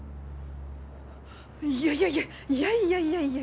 いやいやいやいやいやいやいや。